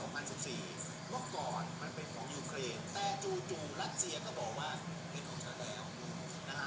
เมื่อก่อนมันเป็นของยุเครนแต่จู่รักเซียก็บอกว่าเป็นของเจ้าแดง